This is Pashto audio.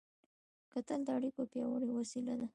کتل د اړیکو پیاوړې وسیله ده